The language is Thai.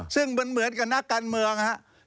ซึ่งมันเหมือนกับนักการเมืองนะครับ